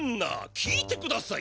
聞いてください！